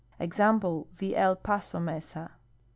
Example, the El Paso mesa.